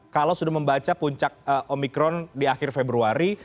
kalau sudah membaca puncak omikron di akhir februari